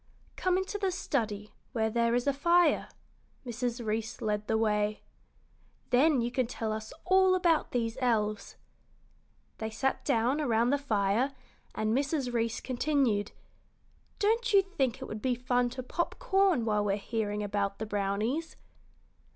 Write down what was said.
"Come into the study, where there is a fire." Mrs. Reece led the way. "Then you can tell us all about these elves." They sat down around the fire, and Mrs. Reece continued, "Don't you think it would be fun to pop corn while we're hearing about the brownies?"